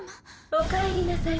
おかえりなさい